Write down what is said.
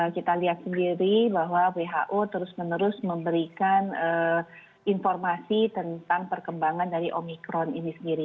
kita lihat sendiri bahwa who terus menerus memberikan informasi tentang perkembangan dari omikron ini sendiri